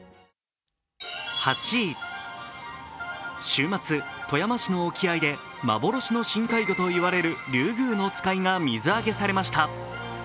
週末、富山市の沖合で幻の深海魚といわれるリュウグウノツカイが水揚げされました。